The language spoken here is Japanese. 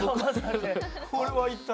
これは一体？